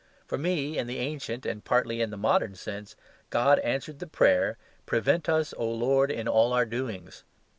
For me, in the ancient and partly in the modern sense, God answered the prayer, "Prevent us, O Lord, in all our doings."